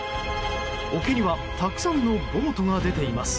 沖にはたくさんのボートが出ています。